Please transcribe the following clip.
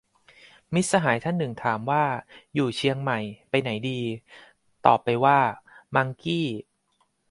มิตรสหายท่านหนึ่งถามว่า อยู่เชียงใหม่ ไปไหนดี ตอบไปว่า มังกี้